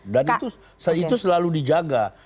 dan itu selalu dijaga